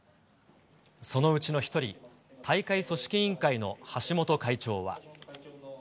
そのうちの一人、大会組織委員会の橋本会長は。